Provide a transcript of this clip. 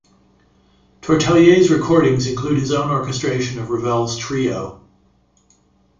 Tortelier's recordings include his own orchestration of Ravel's Trio.